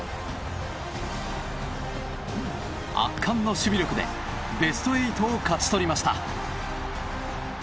圧巻の守備力でベスト８を勝ち取りました。